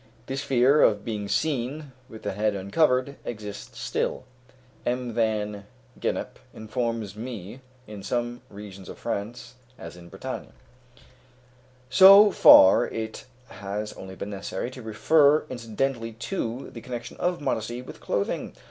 This fear of being seen with the head uncovered exists still, M. Van Gennep informs me, in some regions of France, as in Brittany. So far it has only been necessary to refer incidentally to the connection of modesty with clothing.